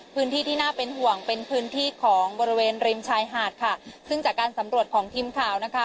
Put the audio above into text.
พื้นที่ที่น่าเป็นห่วงเป็นพื้นที่ของบริเวณริมชายหาดค่ะซึ่งจากการสำรวจของทีมข่าวนะคะ